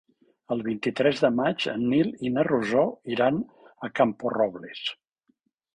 El vint-i-tres de maig en Nil i na Rosó iran a Camporrobles.